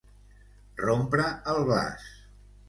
Rompre el glaç.